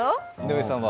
井上さんは？